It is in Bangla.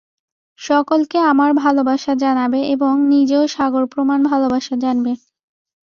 সকলকে আমার ভালবাসা জানাবে এবং নিজেও সাগর-প্রমাণ ভালবাসা জানবে।